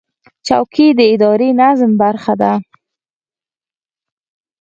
چوکۍ د اداري نظم برخه ده.